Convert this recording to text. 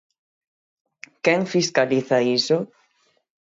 Quen fiscaliza iso?